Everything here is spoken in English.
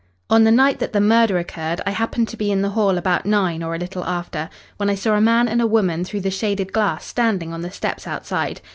"On the night that the murder occurred, I happened to be in the hall about nine or a little after, when I saw a man and a woman through the shaded glass standing on the steps outside.